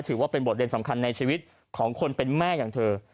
ถือว่าเป็นบทเรียนสำคัญในชีวิตของคนเป็นแม่อย่างเธอ